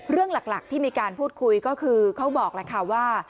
เรื่องหลักที่มีการพูดคุยก็คือเขาบอกแล้วค่ะว่า